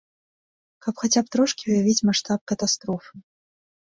Каб хаця б трошкі ўявіць маштаб катастрофы.